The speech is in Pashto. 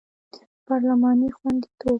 پارلماني خوندیتوب